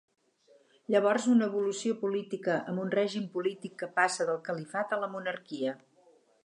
Llavors, una evolució política amb un règim polític que passa del califat a la monarquia.